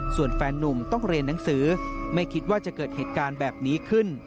ส่วนแฟนนุ่มต้องเรียนหนังสือไม่คิดว่าจะเกิดเหตุการณ์แบบนี้ขึ้น